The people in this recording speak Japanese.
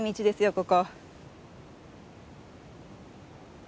ここ。